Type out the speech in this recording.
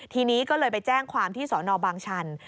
ทีนี้ก็เลยไปแจ้งความที่สอนอบางชัน